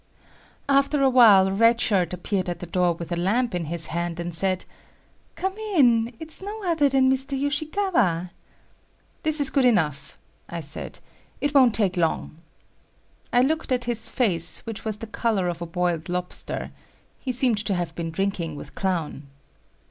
After a while Red Shirt appeared at the door with a lamp in his hand, and said, "Come in; it's no other than Mr. Yoshikawa." "This is good enough," I said, "it won't take long." I looked at his face which was the color of a boiled lobster. He seemed to have been drinking with Clown.